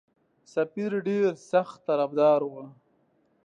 سفیر ډېر سخت طرفدار وو.